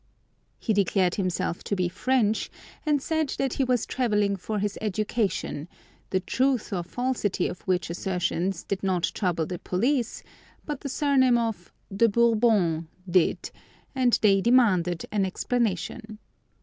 He declared himself to be French, and said that he was travelling for his education, the truth or falsity of which assertions did not trouble the police, but the surname of "De Bourbon" did, and they demanded an explanation.